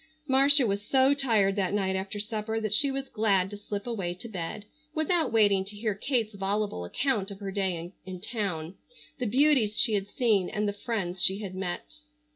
Marcia was so tired that night after supper that she was glad to slip away to bed, without waiting to hear Kate's voluble account of her day in town, the beauties she had seen and the friends she had met.